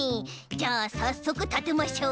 じゃあさっそくたてましょう。